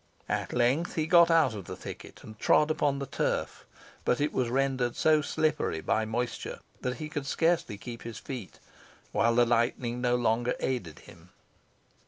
At length he got out of the thicket, and trod upon the turf, but it was rendered so slippery by moisture, that he could scarcely keep his feet, while the lightning no longer aided him.